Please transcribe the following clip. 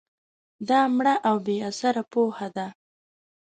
دا مړه او بې اثره پوهه ده